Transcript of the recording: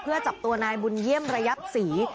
เพื่อจับตัวนายบุญเยี่ยมระยับศรี